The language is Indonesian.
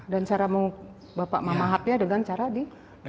dan cara mau bapak memahamnya dengan cara di